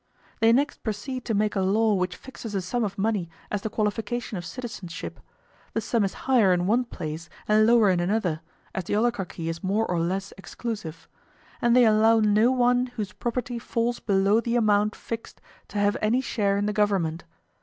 They next proceed to make a law which fixes a sum of money as the qualification of citizenship; the sum is higher in one place and lower in another, as the oligarchy is more or less exclusive; and they allow no one whose property falls below the amount fixed to have any share in the government.